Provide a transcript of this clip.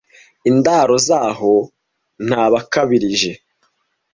Indaro zaho ntabakabirije,